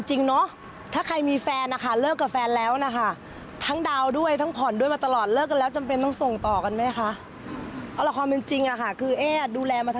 รถพี่ก็ดาว๒๐๐๐๐๐บาทแล้วก็ผ่อนอีกเดือนละ๒๐๐๐๐บาท